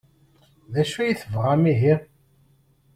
D acu ay tebɣam ihi?